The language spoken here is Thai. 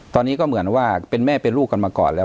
ตอนนี้ก็เหมือนว่าเป็นแม่เป็นลูกกันมาก่อนแล้ว